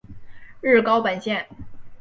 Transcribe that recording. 日高本线。